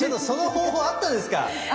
その方法あったんですか。